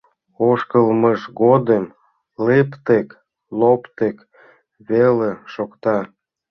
Ошкылмыж годым лыптык-лоптык веле шокта.